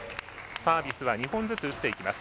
サービスは２本ずつ打っていきます。